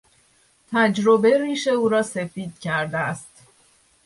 تجربه ریش او را سفید کرده است.